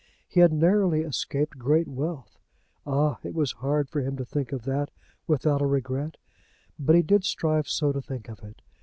He had narrowly escaped great wealth. Ah! It was hard for him to think of that without a regret; but he did strive so to think of it.